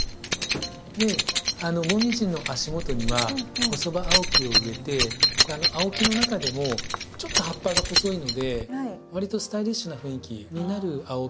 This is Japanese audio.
でモミジの足元にはホソバアオキを植えてアオキの中でもちょっと葉っぱが細いのでわりとスタイリッシュな雰囲気になるアオキですね。